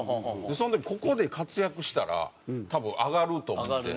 その時ここで活躍したら多分上がると思って。